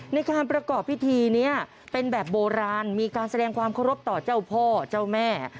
ในการประกอบพิธีนี้เป็นแบบโบราณมีการแสดงความเคารพต่อเจ้าพ่อเจ้าแม่